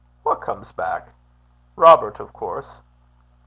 'Wha comes back?' 'Robert, of course.'